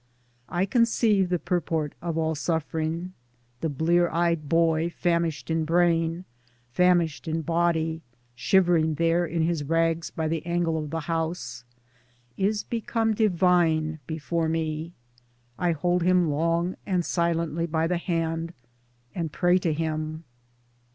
1 conceive the purport of all suffering. The blear eyed boy, famished in brain, famished in body, shivering there in his rags by the angle of the house, is become divine before me ; I hold him long and silently by the hand and pray to him.